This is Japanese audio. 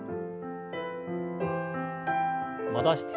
戻して。